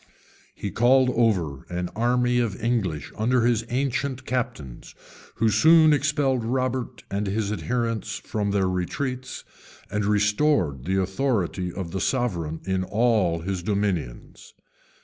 He called over an army of English under his ancient captains, who soon expelled Robert and his adherents from their retreats, and restored the authority of the sovereign in all his dominions.